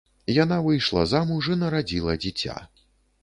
Яна выйшла замуж і нарадзіла дзіця.